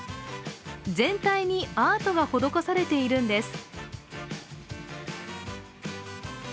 全体にアートが施されているんです。